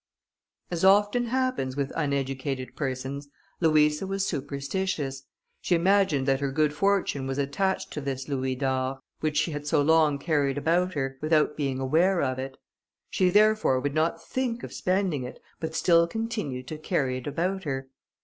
As often happens with uneducated persons, Louisa was superstitious. She imagined that her good fortune was attached to this louis d'or, which she had so long carried about her, without being aware of it. She therefore would not think of spending it, but still continued to carry it about her.